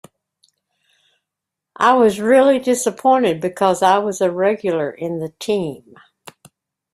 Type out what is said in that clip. I was really disappointed because I was a regular in the team.